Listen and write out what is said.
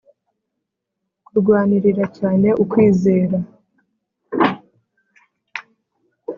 Kurwanirira cyane ukwizera